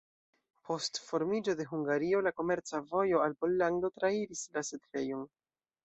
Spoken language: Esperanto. Post formiĝo de Hungario la komerca vojo al Pollando trairis la setlejon.